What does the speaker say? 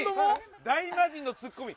大魔神のツッコミ